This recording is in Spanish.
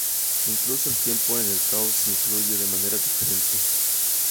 Incluso el tiempo en el Caos fluye de manera diferente.